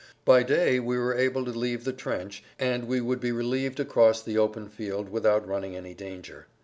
By day we were able to leave the trench, and we would be relieved across the open field without running any danger.